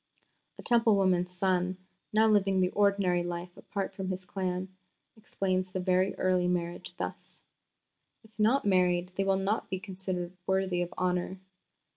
A Temple woman's son, now living the ordinary life apart from his clan, explains the very early marriage thus: "If not married, they will not be considered worthy of honour.